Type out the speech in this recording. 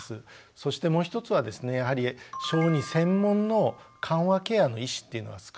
そしてもう一つはですねやはり小児専門の緩和ケアの医師っていうのが少ないんですね。